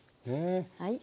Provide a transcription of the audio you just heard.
はい。